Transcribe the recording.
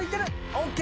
ＯＫ。